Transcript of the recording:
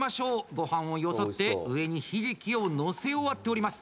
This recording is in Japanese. ごはんをよそって上にひじきをのせ終わっております。